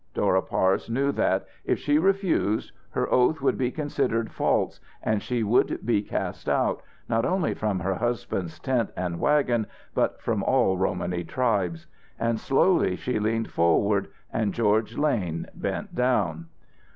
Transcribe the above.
Dora Parse knew that, if she refused, her oath would be considered false, and she would be cast out, not only from her husband's tent and wagon, but from all Romany tribes. And slowly she leaned forward, and George Lane bent down.